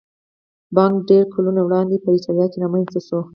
بانک ډېر کلونه وړاندې په ایټالیا کې رامنځته شو